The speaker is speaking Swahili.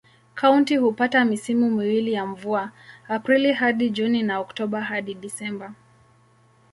Kaunti hupata misimu miwili ya mvua: Aprili hadi Juni na Oktoba hadi Disemba.